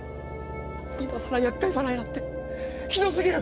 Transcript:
今さら厄介払いなんてひどすぎる！